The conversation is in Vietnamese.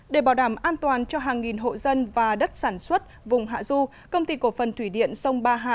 để bảo đảm an toàn cho hàng nghìn hộ dân và đất sản xuất vùng hạ du công ty cổ phần thủy điện sông ba hai